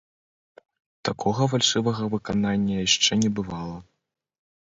Такога фальшывага выканання яшчэ не бывала.